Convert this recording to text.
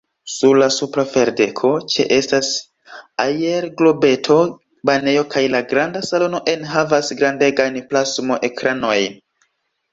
Sur la supra ferdeko, ĉeestas aerglobeto-banejo kaj la granda salono enhavas grandegajn plasmo-ekranojn.